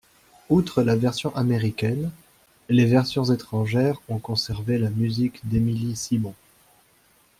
Outre la version américaine, les versions étrangères ont conservé la musique d'Émilie Simon.